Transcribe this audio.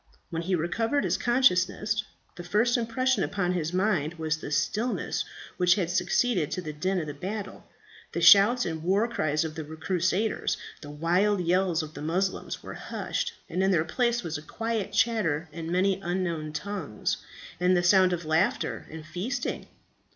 When he recovered his consciousness, the first impression upon his mind was the stillness which had succeeded to the din of battle; the shouts and war cries of the crusaders, the wild yells of the Moslems, were hushed, and in their place was a quiet chatter in many unknown tongues, and the sound of laughter and feasting.